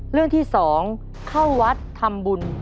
เรื่องที่๒เข้าวัดทำบุญ